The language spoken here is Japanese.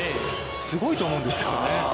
すごいと思うんですよね。